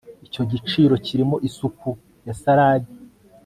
Icyo giciro kirimo isupu na salade